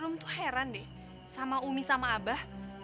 belum tuh heran deh sama umi sama abah